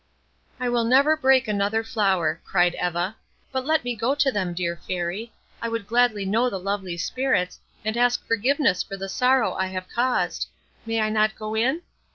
"I will never break another flower," cried Eva; "but let me go to them, dear Fairy; I would gladly know the lovely spirits, and ask forgiveness for the sorrow I have caused. May I not go in?"